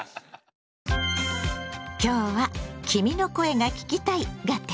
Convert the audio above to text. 今日は「君の声が聴きたい」がテーマ。